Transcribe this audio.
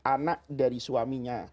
anak dari suaminya